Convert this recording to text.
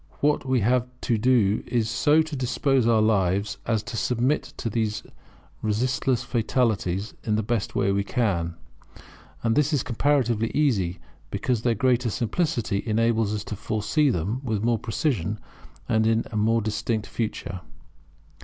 What we have to do is so to dispose our life as to submit to these resistless fatalities in the best way we can; and this is comparatively easy, because their greater simplicity enables us to foresee them with more precision and in a more distinct future.